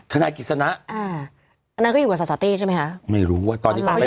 ถนายกิจสนะอ่านั่นก็อยู่กับสตตี้ใช่ไหมฮะไม่รู้ว่าตอนนี้ออกแล้ว